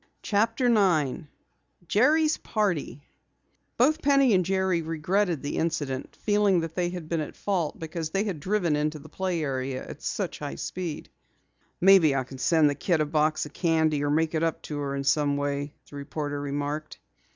CHAPTER 9 JERRY'S PARTY Both Penny and Jerry regretted the incident, feeling that they had been at fault because they had driven into the play area at such high speed. "Maybe I can send the kid a box of candy or make it up to her in some way," the reporter remarked.